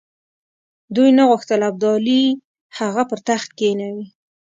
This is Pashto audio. دوی نه غوښتل ابدالي هغه پر تخت کښېنوي.